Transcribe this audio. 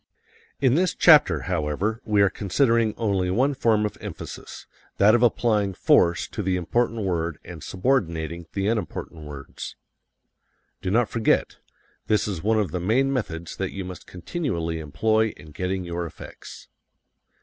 In this chapter, however, we are considering only one form of emphasis: that of applying force to the important word and subordinating the unimportant words. Do not forget: this is one of the main methods that you must continually employ in getting your effects.